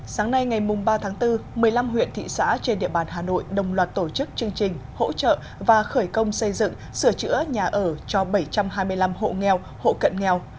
sáng nay ngày ba tháng bốn một mươi năm huyện thị xã trên địa bàn hà nội đồng loạt tổ chức chương trình hỗ trợ và khởi công xây dựng sửa chữa nhà ở cho bảy trăm hai mươi năm hộ nghèo hộ cận nghèo